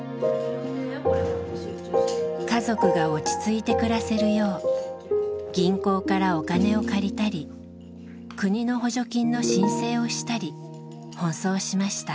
家族が落ち着いて暮らせるよう銀行からお金を借りたり国の補助金の申請をしたり奔走しました。